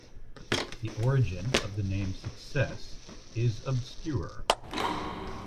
The origin of the name "Success" is obscure.